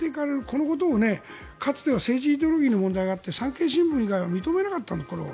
このことを、かつては政治イデオロギーの問題があって産経新聞以外は認めなかったこれを。